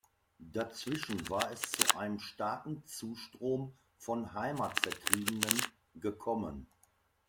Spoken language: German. Dazwischen war es zu einem starken Zustrom von Heimatvertriebenen gekommen.